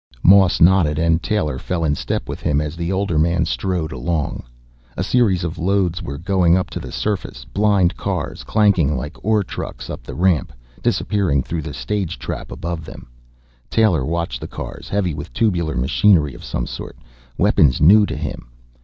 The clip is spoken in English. Moss nodded and Taylor fell in step with him, as the older man strode along. A series of loads were going up to the surface, blind cars clanking like ore trucks up the ramp, disappearing through the stage trap above them. Taylor watched the cars, heavy with tubular machinery of some sort, weapons new to him.